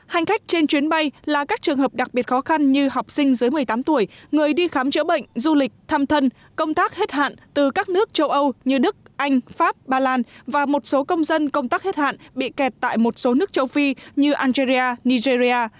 hành khách trên chuyến bay là các trường hợp đặc biệt khó khăn như học sinh dưới một mươi tám tuổi người đi khám chữa bệnh du lịch thăm thân công tác hết hạn từ các nước châu âu như đức anh pháp ba lan và một số công dân công tác hết hạn bị kẹt tại một số nước châu phi như algeria nigeria